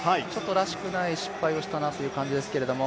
らしくない失敗をしたなという感じですけど。